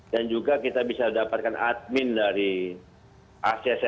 dan juga kita bisa dapatkan admin dari asia sentinel